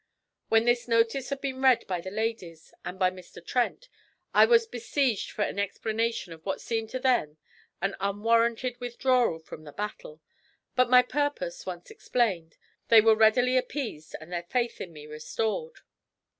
When this notice had been read by the ladies and by Mr. Trent, I was besieged for an explanation of what seemed to them 'an unwarranted withdrawal from the battle'; but my purpose once explained, they were readily appeased and their faith in me restored.